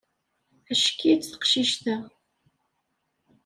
Ack-itt taqcict-a.